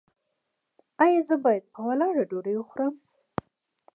ایا زه باید په ولاړه ډوډۍ وخورم؟